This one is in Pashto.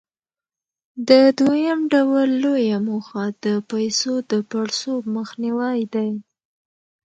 د دویم ډول لویه موخه د پیسو د پړسوب مخنیوى دی.